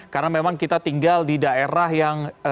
karena memang kita tinggal di daerah yang